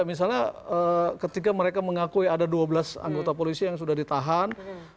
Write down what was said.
misalnya ketika mereka mengakui ada dua belas anggota polisi yang sudah ditahan